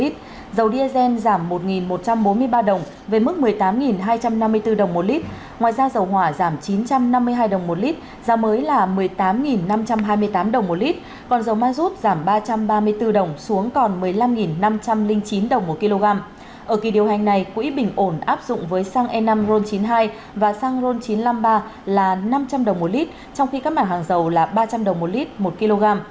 trong khi các mặt hàng dầu là ba trăm linh đồng mỗi lít một kg